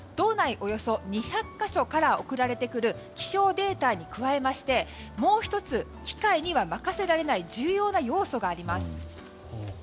およそ２００か所から送られてくる気象データに加えましてもう１つ機械には任せられない重要な要素があります。